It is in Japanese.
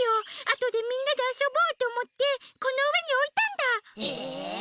あとでみんなであそぼうとおもってこのうえにおいたんだ！え！？